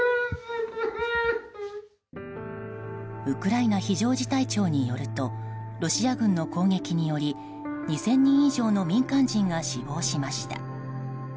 ウクライナ非常事態庁によるとロシア軍の攻撃により２０００人以上の民間人が死亡しました。